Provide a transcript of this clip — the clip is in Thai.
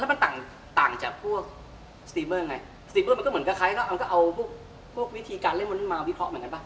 อ๋อแล้วมันต่างจากพวกสตรีมเมอร์ยังไงสตรีมเมอร์มันก็เหมือนกับใครมันก็เอาพวกวิธีการเล่นมาวิเคราะห์เหมือนกันปะ